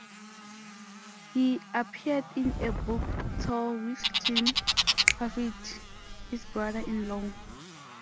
He appeared in a book tour with Tim Parfitt, his brother-in-law.